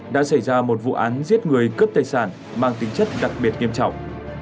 đã xảy ra một vụ án giết người cướp tài sản mang tính chất đặc biệt nghiêm trọng